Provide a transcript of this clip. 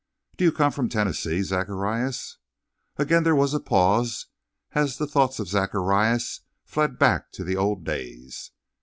"Do you come from Tennessee, Zacharias?" Again there was a pause as the thoughts of Zacharias fled back to the old days.